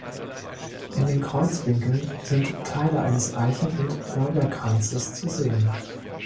In den Kreuzwinkeln sind Teile eines Eichen- und Lorbeerkranzes zu sehen.